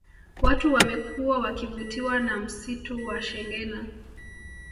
Watu wamekuwa wakivutiwa na msitu wa shengena